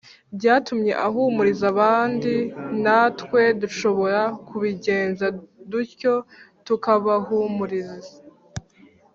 byatumye ahumuriza abandi Natwe dushobora kubigenza dutyo tukabahumiriza